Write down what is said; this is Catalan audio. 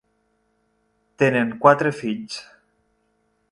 Tenen quatre fills.